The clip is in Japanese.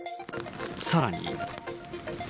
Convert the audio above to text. さらに。